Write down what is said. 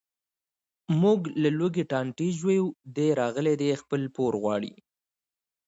موږ له لوږې ټانټې ژویو، دی راغلی دی خپل پور غواړي.